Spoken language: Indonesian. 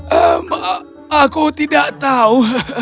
hmm aku tidak tahu